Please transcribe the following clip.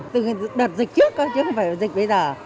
từ đợt dịch trước chứ không phải dịch bây giờ